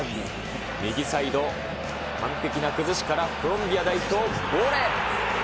右サイド、完璧な崩しからコロンビア代表、ボレ。